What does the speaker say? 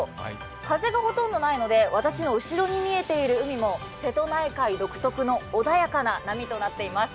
風がほとんどないので私の後ろに見えている海も瀬戸内海独特の穏やかな波となっています。